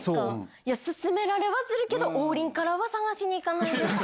いや、勧められはするけど、王林からは探しにいかないです。